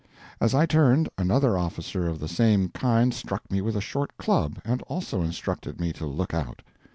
As I turned, another officer of the same kind struck me with a short club and also instructed me to look out.